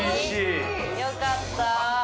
よかった。